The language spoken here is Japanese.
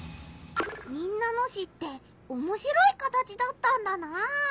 民奈野市っておもしろい形だったんだなあ。